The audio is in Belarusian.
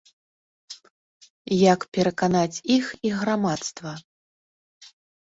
Як пераканаць іх і грамадства?